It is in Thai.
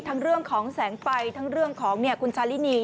เรื่องของแสงไฟทั้งเรื่องของคุณชาลินี